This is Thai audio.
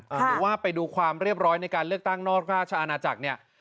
หรือว่าไปดูความเรียบร้อยในการเลือกตั้งนอกราชอาณาจักรเนี่ย